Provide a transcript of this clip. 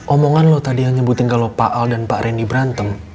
omongan loh tadi yang nyebutin kalau pak al dan pak reni berantem